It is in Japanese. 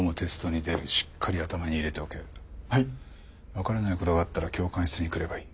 分からないことがあったら教官室に来ればいい。